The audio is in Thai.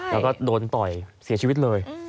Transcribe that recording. แล้วก็โดนต่อยเสียชีวิตเลย